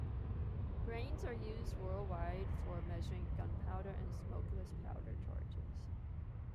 Grains are used worldwide for measuring gunpowder and smokeless powder charges.